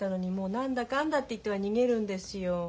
何だかんだって言っては逃げるんですよ。